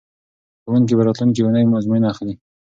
ښوونکي به راتلونکې اونۍ ازموینه اخلي.